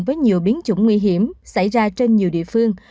với nhiều biến chủng nguy hiểm xảy ra trên nhiều địa phương